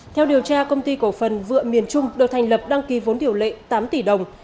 theo điều tra công ty cổ phần vựa miền trung được thành lập đăng ký vốn điều lệ tám tỷ đồng